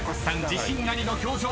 自信ありの表情］